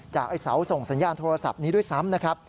จากไอ้เสาส่งสัญญาณโทรศัพท์นี้ด้วยซ้ำ